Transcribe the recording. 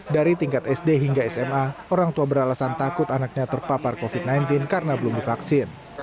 dari tingkat sd hingga sma orang tua beralasan takut anaknya terpapar covid sembilan belas karena belum divaksin